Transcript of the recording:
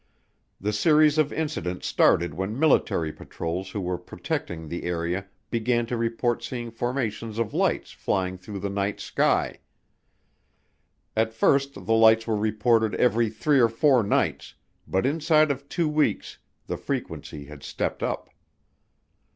The series of incidents started when military patrols who were protecting the area began to report seeing formations of lights flying through the night sky. At first the lights were reported every three or four nights, but inside of two weeks the frequency had stepped up.